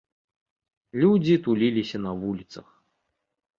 Людзі туліліся на вуліцах.